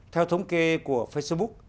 theo thống kê của facebook